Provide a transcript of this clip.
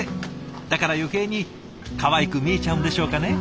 だから余計にかわいく見えちゃうんでしょうかね？